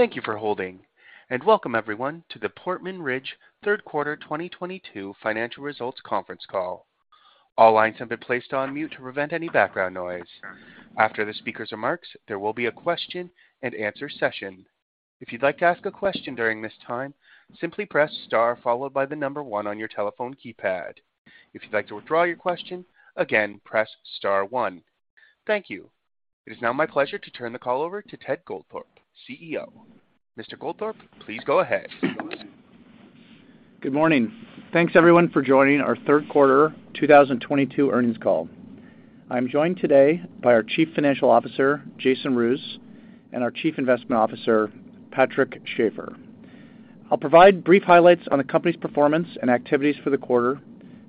Thank you for holding, and welcome everyone to the Portman Ridge Third Quarter 2022 Financial Results Conference Call. All lines have been placed on mute to prevent any background noise. After the speaker's remarks, there will be a question and answer session. If you'd like to ask a question during this time, simply press star followed by the number one on your telephone keypad. If you'd like to withdraw your question, again, press star one. Thank you. It is now my pleasure to turn the call over to Ted Goldthorpe, CEO. Mr. Goldthorpe, please go ahead. Good morning. Thanks everyone for joining our Third Quarter 2022 Earnings Call. I'm joined today by our Chief Financial Officer, Jason Roos, and our Chief Investment Officer, Patrick Schafer. I'll provide brief highlights on the company's performance and activities for the quarter.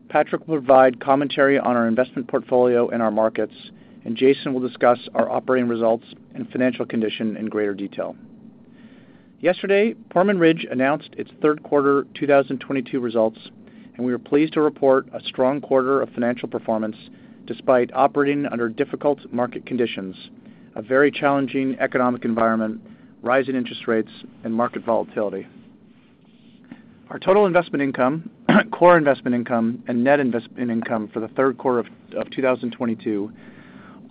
Patrick will provide commentary on our investment portfolio and our markets, and Jason will discuss our operating results and financial condition in greater detail. Yesterday, Portman Ridge announced its third quarter 2022 results, and we are pleased to report a strong quarter of financial performance despite operating under difficult market conditions, a very challenging economic environment, rising interest rates, and market volatility. Our total investment income, core investment income, and net investment income for the third quarter of 2022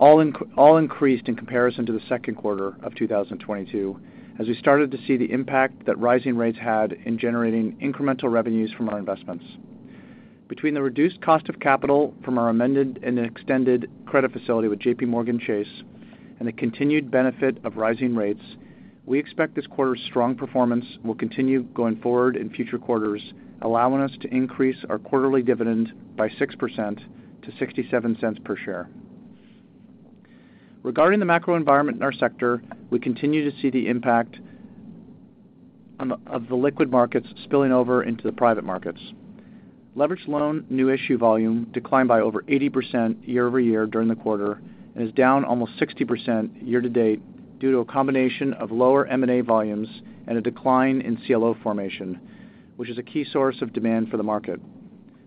all increased in comparison to the second quarter of 2022 as we started to see the impact that rising rates had in generating incremental revenues from our investments. Between the reduced cost of capital from our amended and extended credit facility with JPMorgan Chase and the continued benefit of rising rates, we expect this quarter's strong performance will continue going forward in future quarters, allowing us to increase our quarterly dividend by 6% to $0.67 per share. Regarding the macro environment in our sector, we continue to see the impact of the liquid markets spilling over into the private markets. Leveraged loan new issue volume declined by over 80% year-over-year during the quarter and is down almost 60% year-to-date due to a combination of lower M&A volumes and a decline in CLO formation, which is a key source of demand for the market.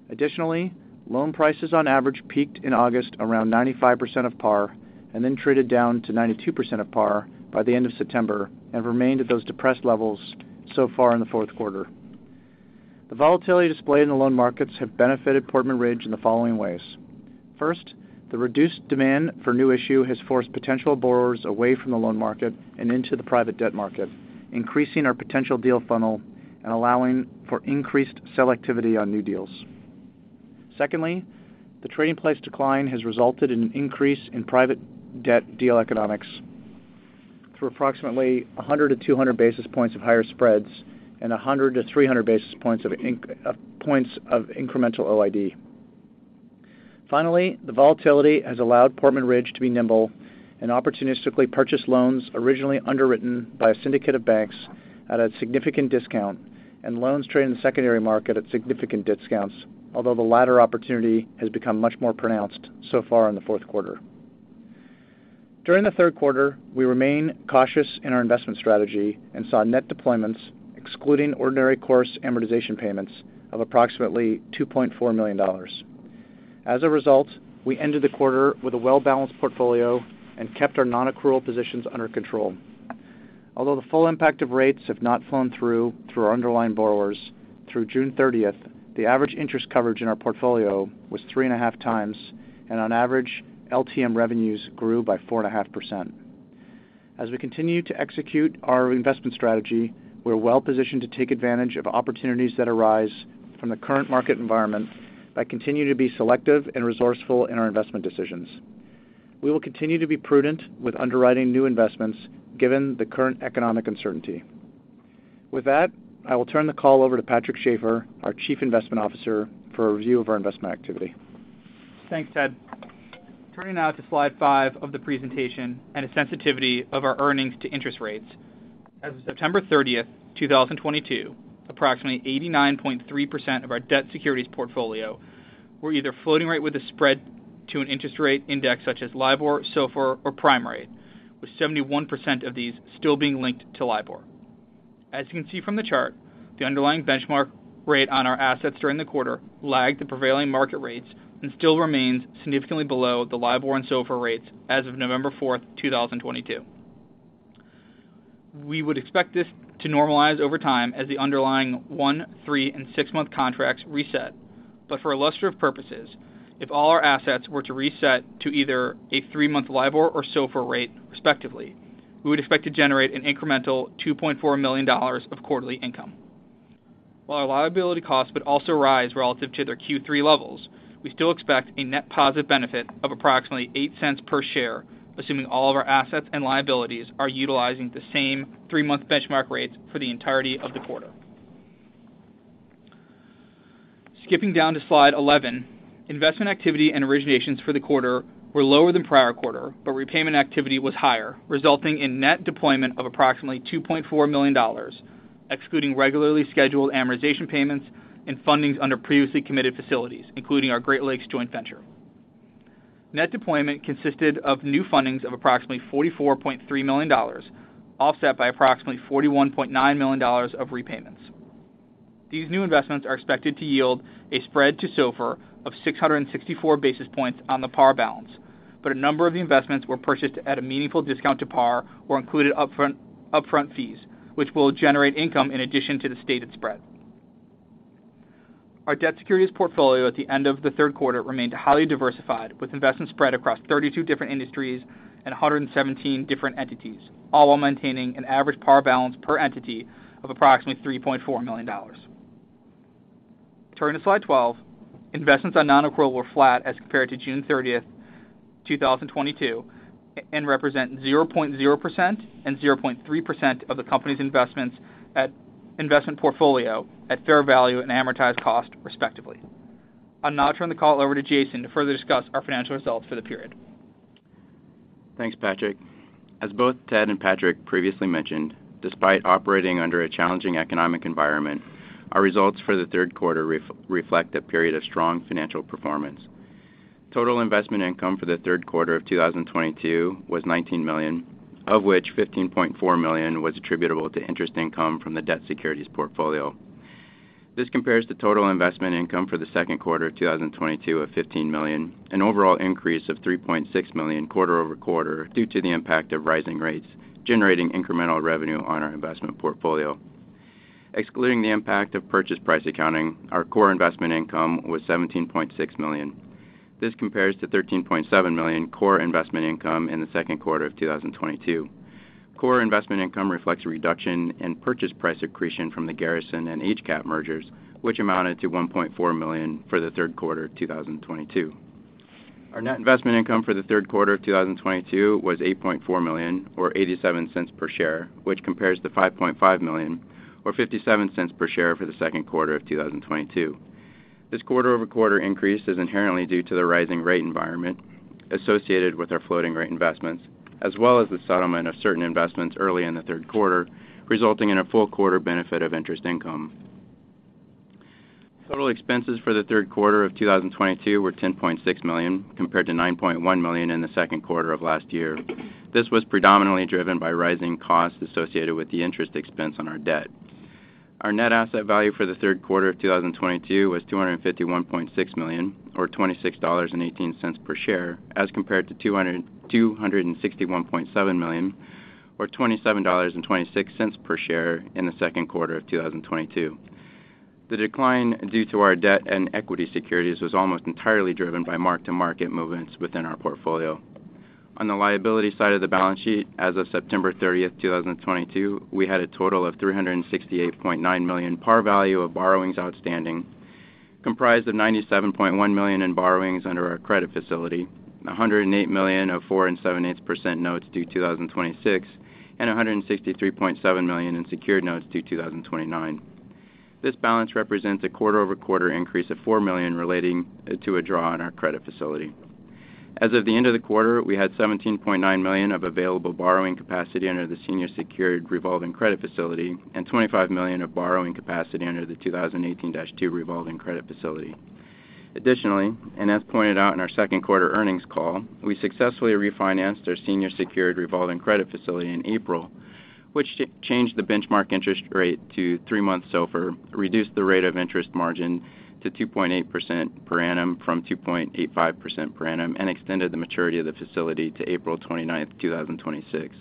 Additionally, loan prices on average peaked in August around 95% of par and then traded down to 92% of par by the end of September and have remained at those depressed levels so far in the fourth quarter. The volatility displayed in the loan markets has benefited Portman Ridge in the following ways. First, the reduced demand for new issue has forced potential borrowers away from the loan market and into the private debt market, increasing our potential deal funnel and allowing for increased selectivity on new deals. Secondly, the trading price decline has resulted in an increase in private debt deal economics through approximately 100-200 basis points of higher spreads and 100-300 basis points of incremental OID. Finally, the volatility has allowed Portman Ridge to be nimble and opportunistically purchase loans originally underwritten by a syndicate of banks at a significant discount and loans traded in the secondary market at significant discounts, although the latter opportunity has become much more pronounced so far in the fourth quarter. During the third quarter, we remained cautious in our investment strategy and saw net deployments excluding ordinary course amortization payments of approximately $2.4 million. As a result, we ended the quarter with a well-balanced portfolio and kept our non-accrual positions under control. Although the full impact of rates has not flowed through our underlying borrowers, through June thirtieth, the average interest coverage in our portfolio was 3.5 times, and on average, LTM revenues grew by 4.5%. As we continue to execute our investment strategy, we're well-positioned to take advantage of opportunities that arise from the current market environment by continuing to be selective and resourceful in our investment decisions. We will continue to be prudent with underwriting new investments given the current economic uncertainty. With that, I will turn the call over to Patrick Schafer, our Chief Investment Officer, for a review of our investment activity. Thanks, Ted. Turning now to slide five of the presentation and a sensitivity of our earnings to interest rates. As of September 30, 2022, approximately 89.3% of our debt securities portfolio were either floating rate with a spread to an interest rate index such as LIBOR, SOFR, or prime rate, with 71% of these still being linked to LIBOR. As you can see from the chart, the underlying benchmark rate on our assets during the quarter lagged the prevailing market rates and still remains significantly below the LIBOR and SOFR rates as of November 4, 2022. We would expect this to normalize over time as the underlying 1-, 3-, and 6-month contracts reset. For illustrative purposes, if all our assets were to reset to either a three-month LIBOR or SOFR rate respectively, we would expect to generate an incremental $2.4 million of quarterly income. While our liability costs would also rise relative to their Q3 levels, we still expect a net positive benefit of approximately $0.08 per share, assuming all of our assets and liabilities are utilizing the same three-month benchmark rates for the entirety of the quarter. Skipping down to slide 11, investment activity and originations for the quarter were lower than prior quarter, but repayment activity was higher, resulting in net deployment of approximately $2.4 million, excluding regularly scheduled amortization payments and fundings under previously committed facilities, including our Great Lakes joint venture. Net deployment consisted of new fundings of approximately $44.3 million, offset by approximately $41.9 million of repayments. These new investments are expected to yield a spread to SOFR of 664 basis points on the par balance. A number of the investments were purchased at a meaningful discount to par or included upfront fees, which will generate income in addition to the stated spread. Our debt securities portfolio at the end of the third quarter remained highly diversified, with investments spread across 32 different industries and 117 different entities, all while maintaining an average par balance per entity of approximately $3.4 million. Turning to slide twelve. Investments on non-accrual were flat as compared to June 30, 2022, and represent 0.0% and 0.3% of the company's investment portfolio at fair value and amortized cost, respectively. I'll now turn the call over to Jason to further discuss our financial results for the period. Thanks, Patrick. As both Ted and Patrick previously mentioned, despite operating under a challenging economic environment, our results for the third quarter of 2022 reflect a period of strong financial performance. Total investment income for the third quarter of 2022 was $19 million, of which $15.4 million was attributable to interest income from the debt securities portfolio. This compares to total investment income for the second quarter of 2022 of $15 million, an overall increase of $3.6 million quarter-over-quarter due to the impact of rising rates, generating incremental revenue on our investment portfolio. Excluding the impact of purchase price accounting, our core investment income was $17.6 million. This compares to $13.7 million core investment income in the second quarter of 2022. Core investment income reflects a reduction in purchase price accretion from the Garrison and HCAP mergers, which amounted to $1.4 million for the third quarter of 2022. Our net investment income for the third quarter of 2022 was $8.4 million or $0.87 per share, which compares to $5.5 million or $0.57 per share for the second quarter of 2022. This quarter-over-quarter increase is inherently due to the rising rate environment associated with our floating rate investments, as well as the settlement of certain investments early in the third quarter, resulting in a full quarter benefit of interest income. Total expenses for the third quarter of 2022 were $10.6 million, compared to $9.1 million in the second quarter of last year. This was predominantly driven by rising costs associated with the interest expense on our debt. Our net asset value for the third quarter of 2022 was $251.6 million or $26.18 per share, as compared to $261.7 million or $27.26 per share in the second quarter of 2022. The decline due to our debt and equity securities was almost entirely driven by mark-to-market movements within our portfolio. On the liability side of the balance sheet, as of September 30, 2022, we had a total of $368.9 million par value of borrowings outstanding, comprised of $97.1 million in borrowings under our credit facility, $108 million of 4.875% notes due 2026, and $163.7 million in secured notes due 2029. This balance represents a quarter-over-quarter increase of $4 million relating to a draw on our credit facility. As of the end of the quarter, we had $17.9 million of available borrowing capacity under the senior secured revolving credit facility and $25 million of borrowing capacity under the 2018-2 revolving credit facility. Additionally, and as pointed out in our second quarter earnings call, we successfully refinanced our senior secured revolving credit facility in April, which changed the benchmark interest rate to three-month SOFR, reduced the rate of interest margin to 2.8% per annum from 2.85% per annum, and extended the maturity of the facility to April 29, 2026.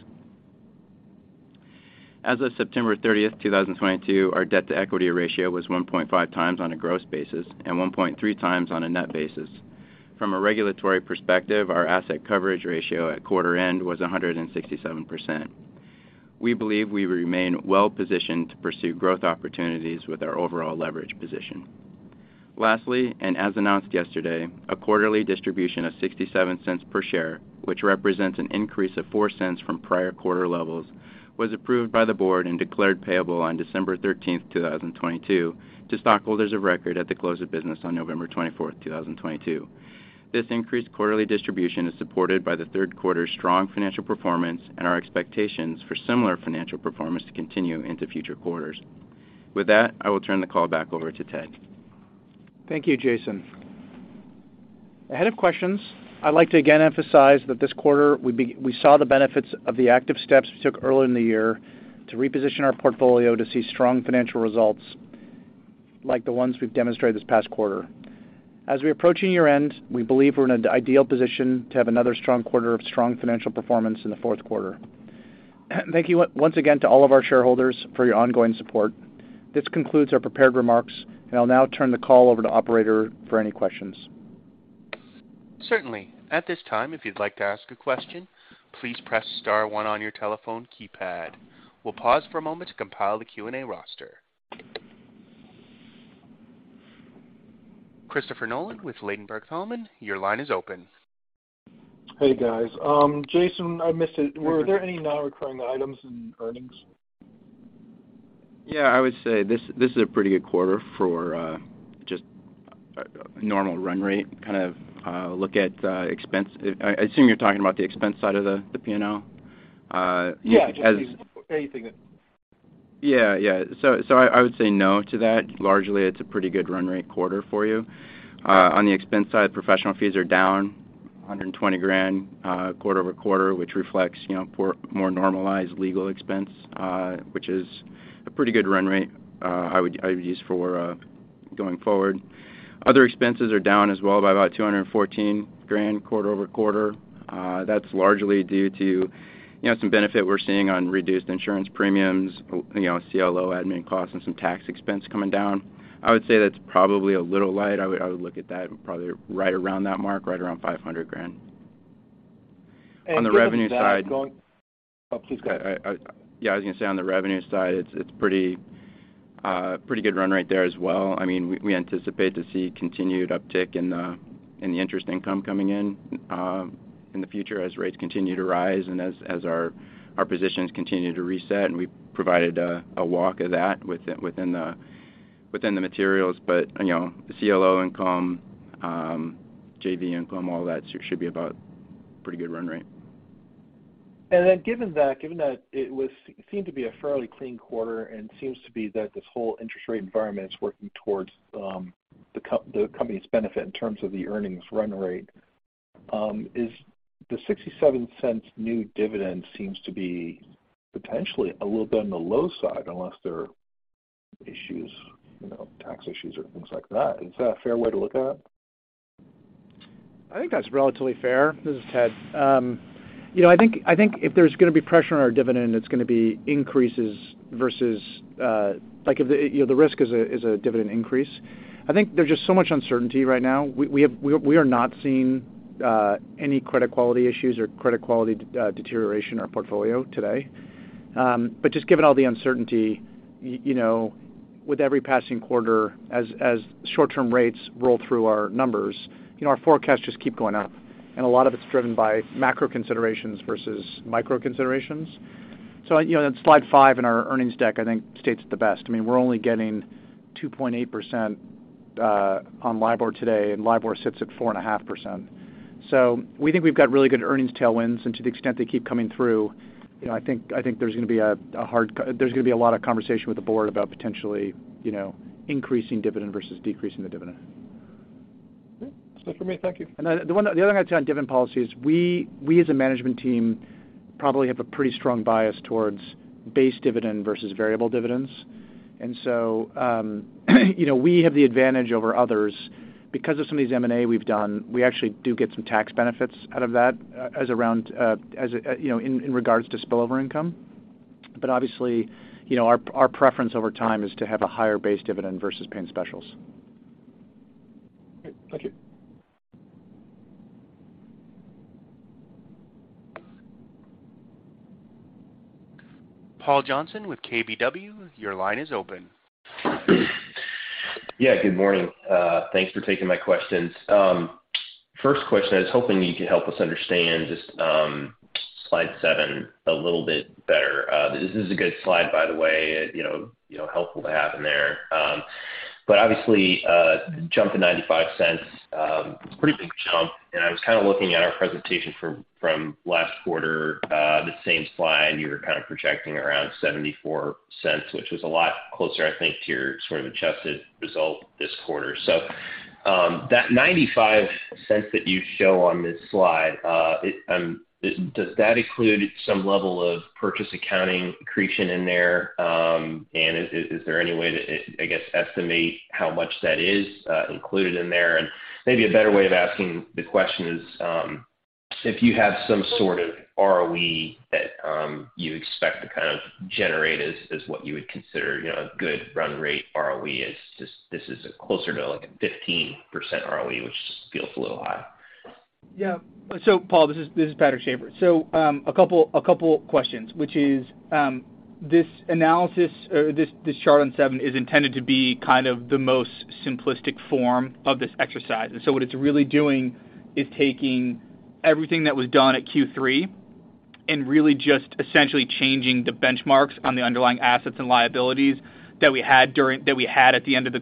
As of September 30, 2022, our debt-to-equity ratio was 1.5 times on a gross basis and 1.3 times on a net basis. From a regulatory perspective, our asset coverage ratio at quarter end was 167%. We believe we remain well positioned to pursue growth opportunities with our overall leverage position. Lastly, as announced yesterday, a quarterly distribution of $0.67 per share, which represents an increase of $0.04 from prior quarter levels, was approved by the board and declared payable on December 13, 2022 to stockholders of record at the close of business on November 24, 2022. This increased quarterly distribution is supported by the third quarter's strong financial performance and our expectations for similar financial performance to continue into future quarters. With that, I will turn the call back over to Ted. Thank you, Jason. Ahead of questions, I'd like to again emphasize that this quarter we saw the benefits of the active steps we took earlier in the year to reposition our portfolio to see strong financial results like the ones we've demonstrated this past quarter. As we approach year-end, we believe we're in an ideal position to have another strong quarter of strong financial performance in the fourth quarter. Thank you once again to all of our shareholders for your ongoing support. This concludes our prepared remarks, and I'll now turn the call over to operator for any questions. Certainly. At this time, if you'd like to ask a question, please press star one on your telephone keypad. We'll pause for a moment to compile the Q&A roster. Christopher Nolan with Ladenburg Thalmann, your line is open. Hey, guys. Jason, I missed it. Were there any non-recurring items in earnings? Yeah, I would say this is a pretty good quarter for just normal run rate, kind of look at expense. I assume you're talking about the expense side of the P&L? Yeah, just anything that. Yeah, yeah. I would say no to that. Largely, it's a pretty good run rate quarter for you. On the expense side, professional fees are down $120,000 quarter-over-quarter, which reflects, you know, for more normalized legal expense, which is a pretty good run rate I would use for going forward. Other expenses are down as well by about $214,000 quarter-over-quarter. That's largely due to, you know, some benefit we're seeing on reduced insurance premiums, you know, CLO admin costs and some tax expense coming down. I would say that's probably a little light. I would look at that probably right around that mark, right around $500,000. On the revenue side. Oh, please go ahead. Yeah, I was gonna say on the revenue side, it's pretty good run right there as well. I mean, we anticipate to see continued uptick in the interest income coming in in the future as rates continue to rise and as our positions continue to reset, and we provided a walk of that within the materials. You know, the CLO income, JV income, all that should be about pretty good run rate. Given that it seemed to be a fairly clean quarter and seems to be that this whole interest rate environment is working towards the company's benefit in terms of the earnings run rate, is the $0.67 new dividend seems to be potentially a little bit on the low side, unless there are issues, you know, tax issues or things like that. Is that a fair way to look at it? I think that's relatively fair. This is Ted. You know, I think if there's gonna be pressure on our dividend, it's gonna be increases versus like if the, you know, the risk is a dividend increase. I think there's just so much uncertainty right now. We are not seeing any credit quality issues or credit quality deterioration in our portfolio today. But just given all the uncertainty, you know, with every passing quarter as short-term rates roll through our numbers, you know, our forecast just keep going up. A lot of it's driven by macro considerations versus micro considerations. You know, that slide five in our earnings deck, I think, states it the best. I mean, we're only getting 2.8% on LIBOR today, and LIBOR sits at 4.5%. We think we've got really good earnings tailwinds. To the extent they keep coming through, you know, I think there's gonna be a lot of conversation with the board about potentially, you know, increasing dividend versus decreasing the dividend. Okay. That's it for me. Thank you. The other thing I'd say on dividend policy is we as a management team probably have a pretty strong bias towards base dividend versus variable dividends. You know, we have the advantage over others because of some of these M&A we've done. We actually do get some tax benefits out of that, as you know, in regards to spillover income. Obviously, you know, our preference over time is to have a higher base dividend versus paying specials. Great. Thank you. Paul Johnson with KBW, your line is open. Yeah. Good morning. Thanks for taking my questions. First question, I was hoping you could help us understand just slide 7 a little bit better. This is a good slide by the way, you know, helpful to have in there. But obviously, the jump to $0.95, pretty big jump. I was kind of looking at our presentation from last quarter, the same slide, you were kind of projecting around $0.74, which was a lot closer, I think, to your sort of adjusted result this quarter. That $0.95 that you show on this slide, does that include some level of purchase price accretion in there? And is there any way to, I guess, estimate how much that is included in there? Maybe a better way of asking the question is, if you have some sort of ROE that you expect to kind of generate as what you would consider, you know, a good run rate ROE as this is closer to like a 15% ROE, which just feels a little high. Yeah. Paul, this is Patrick Schafer. A couple questions, which is this analysis or this chart on seven is intended to be kind of the most simplistic form of this exercise. What it's really doing is taking everything that was done at Q3 and really just essentially changing the benchmarks on the underlying assets and liabilities that we had at the end of the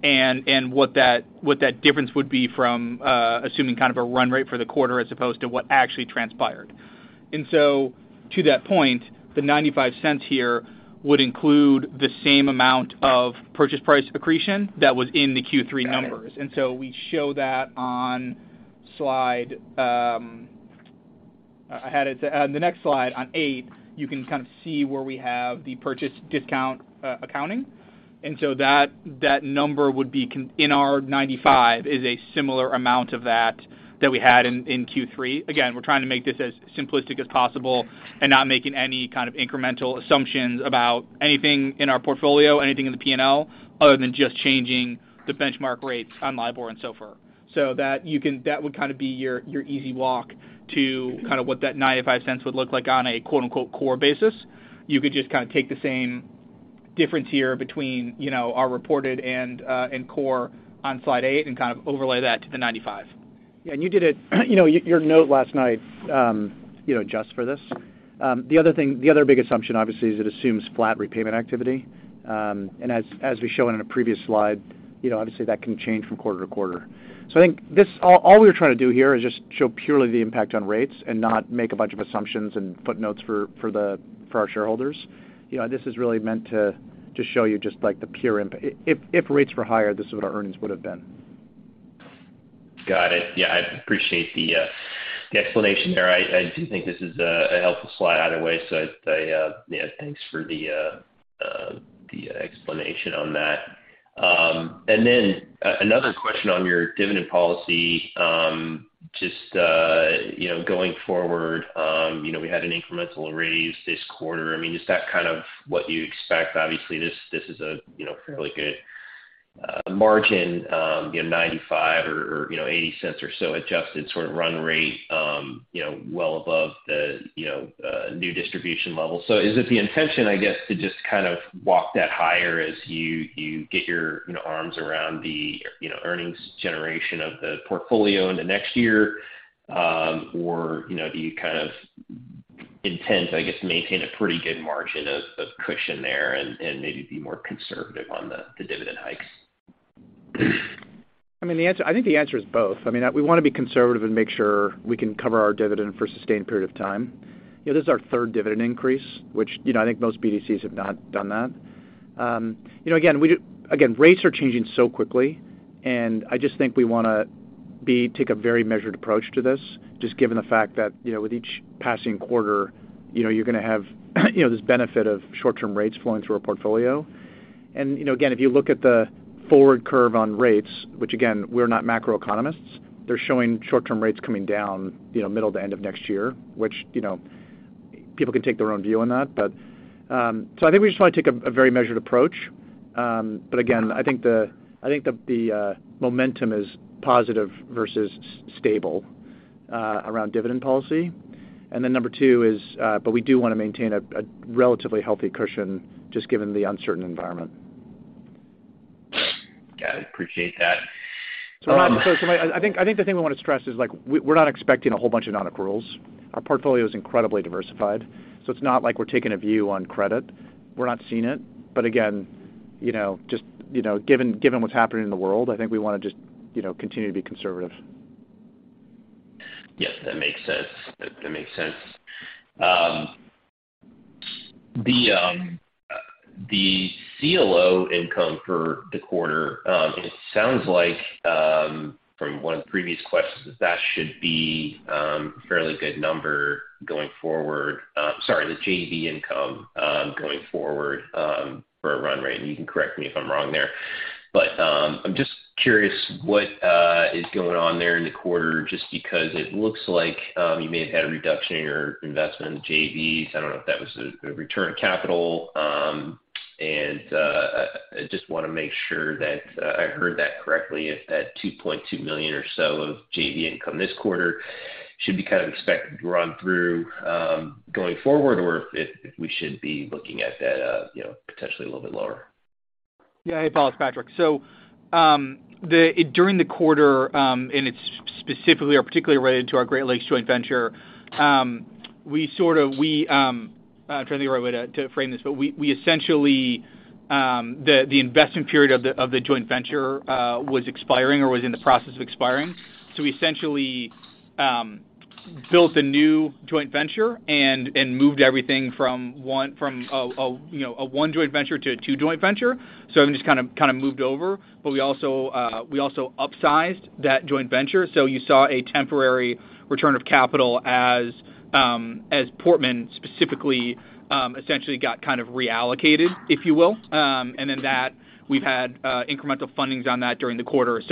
quarter, and what that difference would be from assuming kind of a run rate for the quarter as opposed to what actually transpired. To that point, the $0.95 here would include the same amount of purchase price accretion that was in the Q3 numbers. Got it. We show that on slide, on the next slide, on 8, you can kind of see where we have the purchase discount accounting. That number would be in our 95, is a similar amount of that we had in Q3. Again, we're trying to make this as simplistic as possible and not making any kind of incremental assumptions about anything in our portfolio, anything in the P&L other than just changing the benchmark rates on LIBOR and so forth. That would kind of be your easy walk to kind of what that $0.95 would look like on a quote, unquote, "core basis." You could just kind of take the same difference here between, you know, our reported and core on slide 8 and kind of overlay that to the $0.95. Yeah. You did it, you know, your note last night, you know, adjust for this. The other big assumption, obviously, is it assumes flat repayment activity. As we show in a previous slide, you know, obviously that can change from quarter to quarter. I think this all we were trying to do here is just show purely the impact on rates and not make a bunch of assumptions and footnotes for our shareholders. You know, this is really meant to show you just like the pure impact if rates were higher, this is what our earnings would have been. Got it. Yeah, I appreciate the explanation there. I do think this is a helpful slide either way, so yeah, thanks for the explanation on that. Another question on your dividend policy, just you know, going forward, you know, we had an incremental raise this quarter. I mean, is that kind of what you expect? Obviously, this is a you know, fairly good margin, you know, $0.95 or $0.80 or so adjusted sort of run rate, you know, well above the you know, new distribution level. Is it the intention, I guess, to just kind of walk that higher as you get your you know arms around the you know earnings generation of the portfolio into next year, or you know do you kind of intend, I guess, to maintain a pretty good margin of cushion there and maybe be more conservative on the dividend hikes? I mean, I think the answer is both. I mean, we wanna be conservative and make sure we can cover our dividend for a sustained period of time. You know, this is our third dividend increase, which, you know, I think most BDCs have not done that. You know, again, rates are changing so quickly, and I just think we wanna take a very measured approach to this, just given the fact that, you know, with each passing quarter, you know, you're gonna have, you know, this benefit of short-term rates flowing through our portfolio. You know, again, if you look at the forward curve on rates, which again, we're not macro economists, they're showing short-term rates coming down, you know, middle to end of next year, which, you know, people can take their own view on that. I think we just wanna take a very measured approach. I think the momentum is positive versus stable around dividend policy. Number two is but we do wanna maintain a relatively healthy cushion just given the uncertain environment. Got it. Appreciate that. I think the thing we wanna stress is, like, we're not expecting a whole bunch of non-accruals. Our portfolio is incredibly diversified, so it's not like we're taking a view on credit. We're not seeing it. Again, you know, just, given what's happening in the world, I think we wanna just, you know, continue to be conservative. Yes, that makes sense. The CLO income for the quarter, it sounds like from one of the previous questions, that should be a fairly good number going forward. Sorry, the JV income going forward for a run rate, and you can correct me if I'm wrong there. But I'm just curious what is going on there in the quarter just because it looks like you may have had a reduction in your investment in the JVs. I don't know if that was a return of capital. I just wanna make sure that I heard that correctly if that $2.2 million or so of JV income this quarter should be kind of expected to run through going forward or if we should be looking at that you know potentially a little bit lower. Yeah. Hey, Paul, it's Patrick. During the quarter, and it's specifically or particularly related to our Great Lakes joint venture, I'm trying to think of the right way to frame this, but the investment period of the joint venture was expiring or was in the process of expiring. We essentially built a new joint venture and moved everything from a you know a one joint venture to a two joint venture. Everything just kinda moved over. We also upsized that joint venture. You saw a temporary return of capital as Portman specifically essentially got kind of reallocated, if you will. And then we've had incremental fundings on that during the quarter.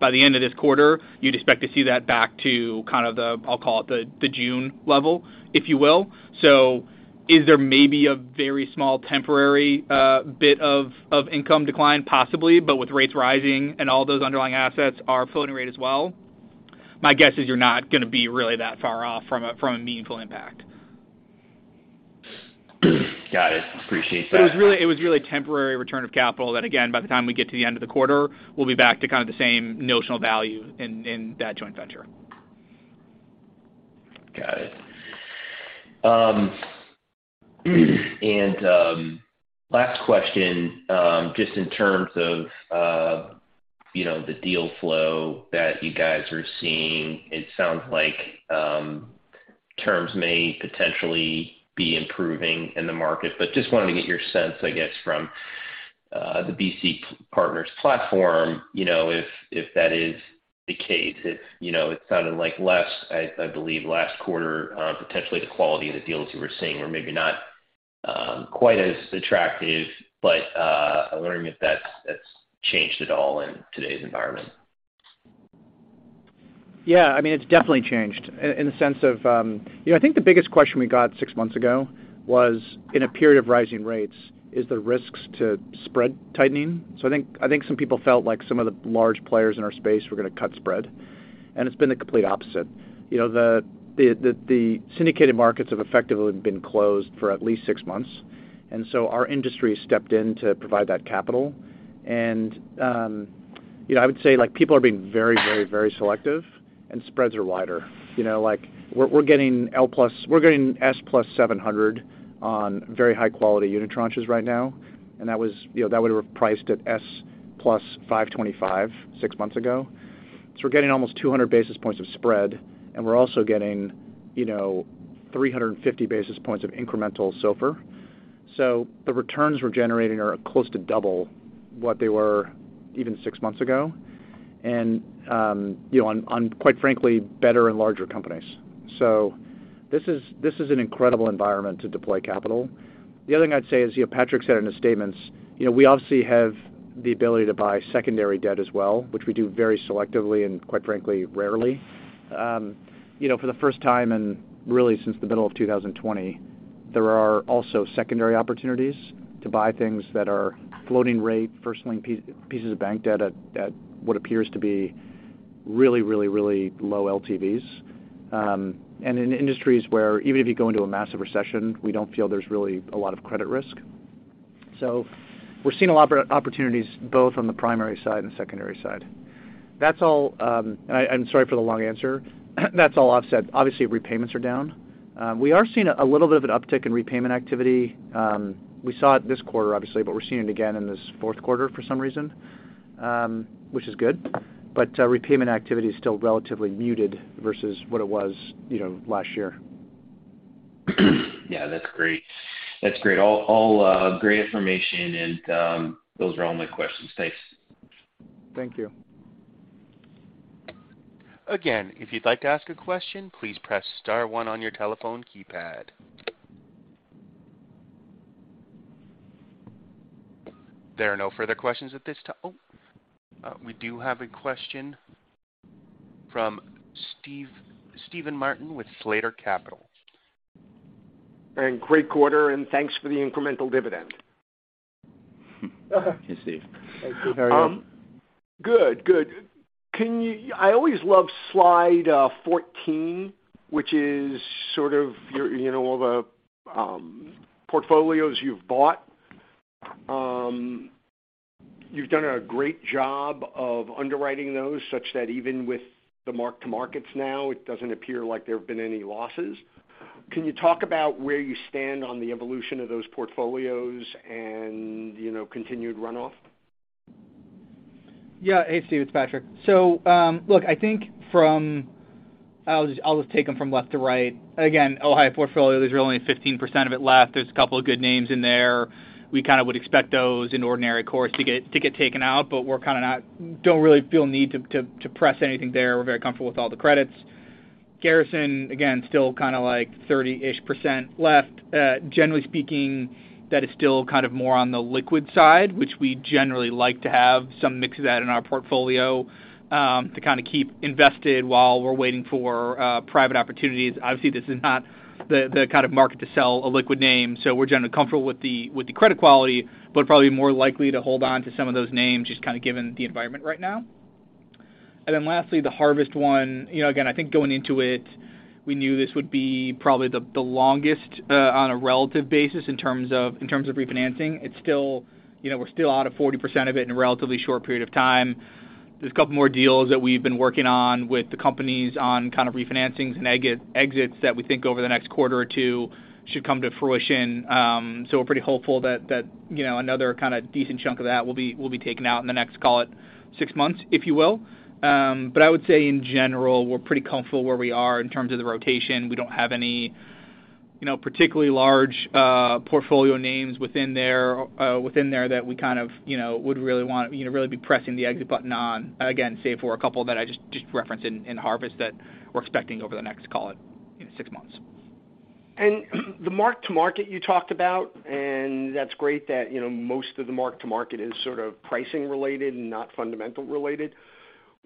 By the end of this quarter, you'd expect to see that back to kind of the, I'll call it the June level, if you will. Is there maybe a very small temporary bit of income decline? Possibly. With rates rising and all those underlying assets are floating rate as well, my guess is you're not gonna be really that far off from a meaningful impact. Got it. Appreciate that. It was really temporary return of capital that again, by the time we get to the end of the quarter, we'll be back to kind of the same notional value in that joint venture. Got it. Last question, just in terms of, you know, the deal flow that you guys are seeing, it sounds like terms may potentially be improving in the market, but just wanted to get your sense, I guess, from the BC Partners platform, you know, if that is the case. It's, you know, it sounded like less, I believe, last quarter, potentially the quality of the deals you were seeing were maybe not quite as attractive. I'm wondering if that's changed at all in today's environment. Yeah, I mean, it's definitely changed in the sense of. You know, I think the biggest question we got six months ago was, in a period of rising rates, is the risks to spread tightening. I think some people felt like some of the large players in our space were gonna cut spread, and it's been the complete opposite. You know, the syndicated markets have effectively been closed for at least six months, and our industry has stepped in to provide that capital. You know, I would say, like, people are being very selective, and spreads are wider. You know, like, we're getting S plus 700 on very high-quality unitranches right now, and that would have priced at S plus 525 six months ago. We're getting almost 200 basis points of spread, and we're also getting, you know, 350 basis points of incremental SOFR. The returns we're generating are close to double what they were even six months ago. You know, on quite frankly, better and larger companies. This is an incredible environment to deploy capital. The other thing I'd say is, you know, Patrick said in his statements, you know, we obviously have the ability to buy secondary debt as well, which we do very selectively and quite frankly, rarely. You know, for the first time in really since the middle of 2020, there are also secondary opportunities to buy things that are floating rate, first lien pieces of bank debt at what appears to be really low LTVs. In industries where even if you go into a massive recession, we don't feel there's really a lot of credit risk. We're seeing a lot of opportunities both on the primary side and secondary side. That's all. I'm sorry for the long answer. That's all offset. Obviously, repayments are down. We are seeing a little bit of an uptick in repayment activity. We saw it this quarter obviously, but we're seeing it again in this fourth quarter for some reason, which is good. Repayment activity is still relatively muted versus what it was, you know, last year. Yeah, that's great. That's great. All great information and those are all my questions. Thanks. Thank you. Again, if you'd like to ask a question, please press star one on your telephone keypad. There are no further questions at this time. Oh, we do have a question from Steven Martin with Slater Capital. Great quarter, and thanks for the incremental dividend. Hey, Steve. Thank you. How are you? Good. I always love slide 14, which is sort of your, you know, all the portfolios you've bought. You've done a great job of underwriting those such that even with the mark-to-market now, it doesn't appear like there have been any losses. Can you talk about where you stand on the evolution of those portfolios and, you know, continued runoff? Yeah. Hey, Steven, it's Patrick. I think I'll just take them from left to right. Again, Ohio portfolio, there's really only 15% of it left. There's a couple of good names in there. We kinda would expect those in ordinary course to get taken out, but we don't really feel a need to press anything there. We're very comfortable with all the credits. Garrison, again, still kinda like 30-ish% left. Generally speaking, that is still kind of more on the liquid side, which we generally like to have some mix of that in our portfolio, to kinda keep invested while we're waiting for private opportunities. Obviously, this is not the kind of market to sell a liquid name, so we're generally comfortable with the credit quality, but probably more likely to hold on to some of those names just kinda given the environment right now. Then lastly, the Harvest one. You know, again, I think going into it, we knew this would be probably the longest on a relative basis in terms of refinancing. It's still, you know, we're still out of 40% of it in a relatively short period of time. There's a couple more deals that we've been working on with the companies on kind of refinancings and equity exits that we think over the next quarter or two should come to fruition. We're pretty hopeful that you know, another kinda decent chunk of that will be taken out in the next, call it six months, if you will. I would say in general, we're pretty comfortable where we are in terms of the rotation. We don't have any you know, particularly large portfolio names within there that we kind of you know, would really want you know, really be pressing the exit button on. Again, save for a couple that I just referenced in Harvest that we're expecting over the next, call it you know, six months. The mark to market you talked about, and that's great that, you know, most of the mark to market is sort of pricing related and not fundamental related.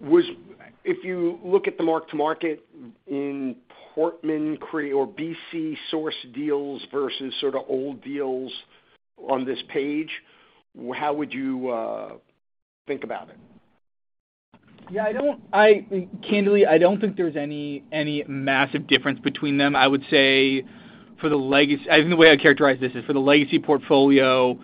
If you look at the mark to market in Portman Ridge or BCP sourced deals versus sort of old deals on this page, how would you think about it? Candidly, I don't think there's any massive difference between them. I would say for the legacy portfolio,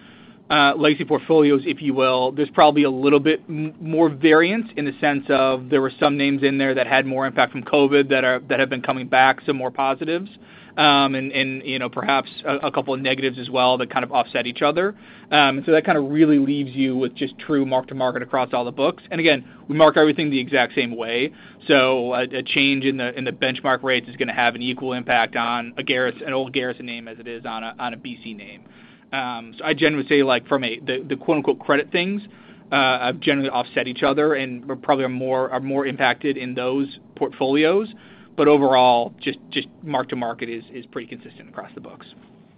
legacy portfolios, if you will, there's probably a little bit more variance in the sense of there were some names in there that had more impact from COVID that have been coming back, some more positives. You know, perhaps a couple of negatives as well that kind of offset each other. That really leaves you with just true mark to market across all the books. Again, we mark everything the exact same way. A change in the benchmark rates is gonna have an equal impact on a Garrison, an old Garrison name as it is on a BC name. I generally would say like from the quote-unquote credit things have generally offset each other and probably are more impacted in those portfolios. Overall, just mark to market is pretty consistent across the books.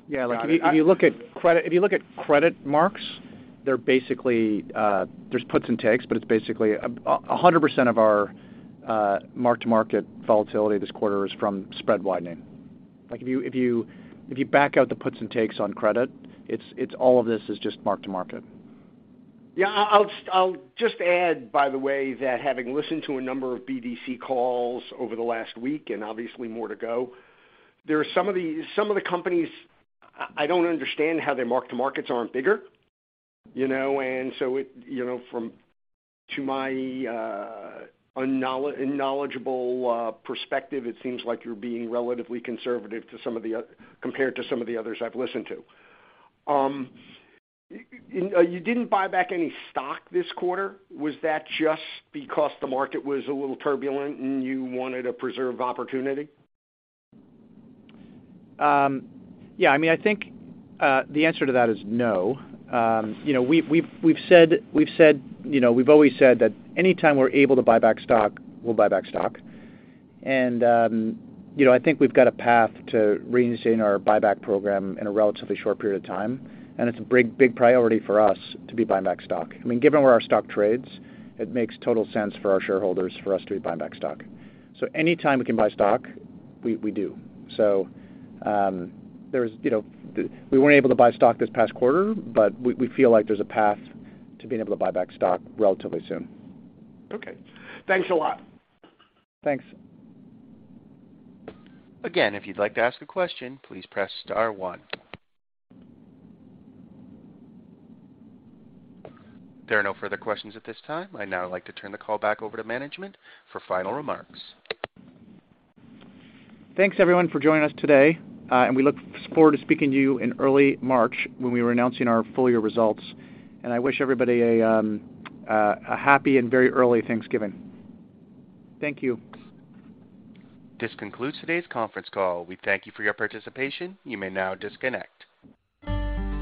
Yeah. Like, if you look at credit marks, they're basically, there's puts and takes, but it's basically 100% of our mark-to-market volatility this quarter is from spread widening. Like, if you back out the puts and takes on credit, it's all of this is just mark-to-market. Yeah. I'll just add, by the way, that having listened to a number of BDC calls over the last week, and obviously more to go, there are some of the companies, I don't understand how their mark to markets aren't bigger, you know. It, you know, to my unknowledgeable perspective, it seems like you're being relatively conservative compared to some of the others I've listened to. You didn't buy back any stock this quarter. Was that just because the market was a little turbulent and you wanted to preserve opportunity? Yeah, I mean, I think the answer to that is no. You know, we've always said that anytime we're able to buy back stock, we'll buy back stock. You know, I think we've got a path to reinstating our buyback program in a relatively short period of time, and it's a big priority for us to be buying back stock. I mean, given where our stock trades, it makes total sense for our shareholders for us to be buying back stock. Anytime we can buy stock, we do. You know. We weren't able to buy stock this past quarter, but we feel like there's a path to being able to buy back stock relatively soon. Okay. Thanks a lot. Thanks. Again, if you'd like to ask a question, please press star one. There are no further questions at this time. I'd now like to turn the call back over to management for final remarks. Thanks, everyone, for joining us today. We look forward to speaking to you in early March when we are announcing our full year results. I wish everybody a happy and very early Thanksgiving. Thank you. This concludes today's conference call. We thank you for your participation. You may now disconnect.